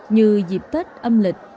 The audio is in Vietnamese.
như dịp tết âm lịch